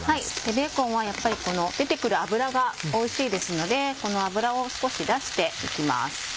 ベーコンはやっぱりこの出てくる脂がおいしいですのでこの脂を少し出していきます。